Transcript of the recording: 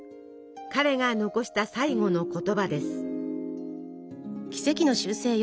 彼が残した最後の言葉です。